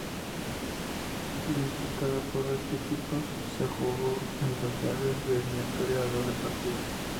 Disputada por ocho equipos, se jugó en dos llaves de eliminatorias a doble partido.